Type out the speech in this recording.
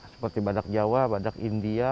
seperti badak jawa badak india